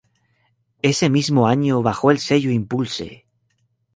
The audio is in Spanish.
Ese mismo año bajo el sello Impulse!